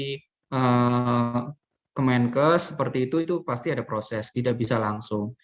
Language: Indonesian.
di kemenkes seperti itu itu pasti ada proses tidak bisa langsung